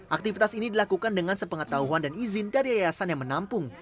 aktivitas ini dilakukan dengan sepengetahuan dan izin dari yayasan yang menampung